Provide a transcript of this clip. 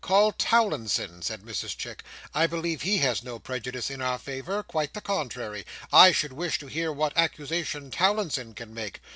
Call Towlinson," said Mrs Chick, "I believe he has no prejudice in our favour; quite the contrary. I should wish to hear what accusation Towlinson can make!"